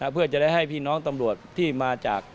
เพื่อจะได้ให้พี่น้องตำรวจที่มาจาก